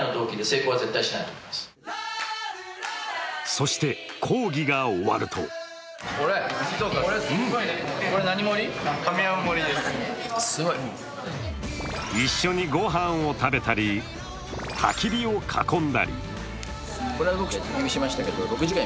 そして講義が終わると一緒にごはんを食べたりたき火を囲んだり。